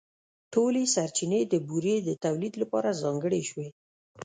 ټولې سرچینې د بورې د تولیدً لپاره ځانګړې شوې.